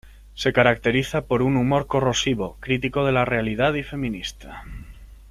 Se caracteriza por un humor corrosivo, crítico de la realidad y feminista.